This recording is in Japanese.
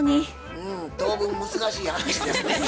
うん当分難しい話ですね。